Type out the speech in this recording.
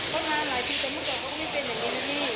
ก็มาหลายทีแต่มุ่งต่อเขาก็ไม่เป็นเหมือนเดียวนี้